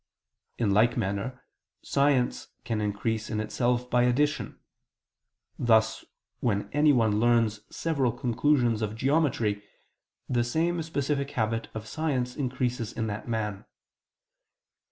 In like manner, science can increase in itself by addition; thus when anyone learns several conclusions of geometry, the same specific habit of science increases in that man.